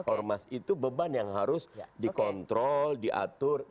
ormas itu beban yang harus dikontrol diatur